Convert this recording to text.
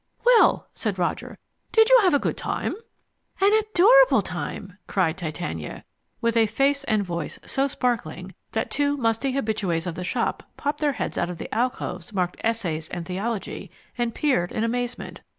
"Well," said Roger, "did you have a good time?" "An adorable time!" cried Titania, with a face and voice so sparkling that two musty habitues of the shop popped their heads out of the alcoves marked ESSAYS and THEOLOGY and peered in amazement.